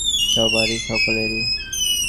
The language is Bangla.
সবারই, সকলেরই।